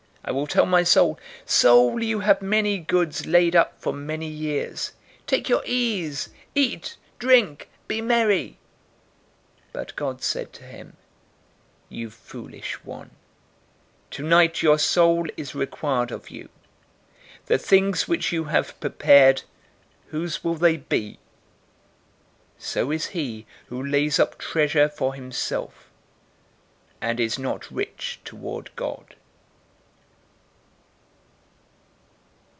012:019 I will tell my soul, "Soul, you have many goods laid up for many years. Take your ease, eat, drink, be merry."' 012:020 "But God said to him, 'You foolish one, tonight your soul is required of you. The things which you have prepared whose will they be?' 012:021 So is he who lays up treasure for himself, and is not rich toward God."